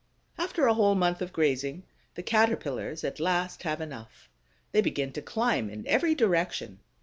After a whole month of grazing, the Caterpillars at last have enough. They begin to climb in every direction.